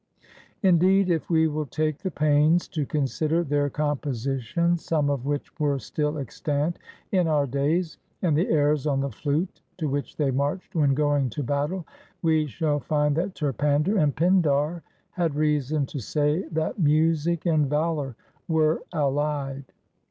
Indeed, if we will take the pains to consider their com positions, some of which were still extant in our days, and the airs on the flute to which they marched when going to battle, we shall find that Terpander and Pin dar had reason to say that music and valor were allied.